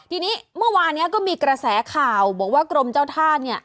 ทีนี้เมื่อวานนี้ก็มีกระแสข่าวบอกว่ากรมเจ้าท่าเนี่ย